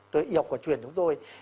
đó là y học của chuyện chúng tôi